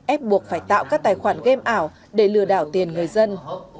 ép buộc phải tạo các tài khoản game ảo để lừa đảo tiền người dân